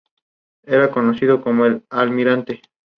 Al final las dos familias se reencuentran.